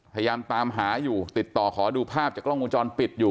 พยายามตามหาอยู่ติดต่อขอดูภาพจากกล้องวงจรปิดอยู่